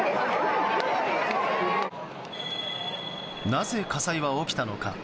なぜ、火災は起きたのか。